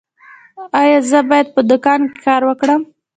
ایا زه باید په دوکان کې کار وکړم؟